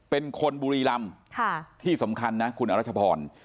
เป็นคนบุรีรำที่สำคัญนะคุณอรัชพร